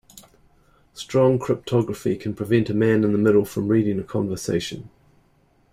Strong cryptography can prevent a man in the middle from reading a conversation.